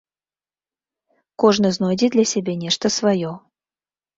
Кожны знойдзе для сябе нешта сваё.